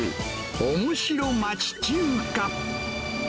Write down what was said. おもしろ町中華。